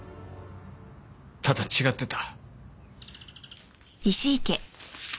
ただ違ってた。